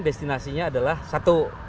destinasinya adalah satu